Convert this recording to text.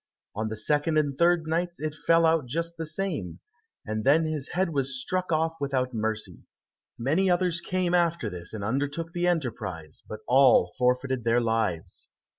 On the second and third nights it fell out just the same, and then his head was struck off without mercy. Many others came after this and undertook the enterprise, but all forfeited their lives.